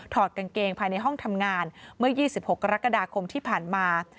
กางเกงภายในห้องทำงานเมื่อ๒๖กรกฎาคมที่ผ่านมา